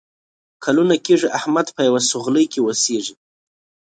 کلونه کېږي احمد په یوه سوغلۍ کې اوسېږي.